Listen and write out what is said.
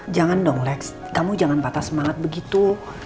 jangan dong lex kamu jangan patah semangat begitu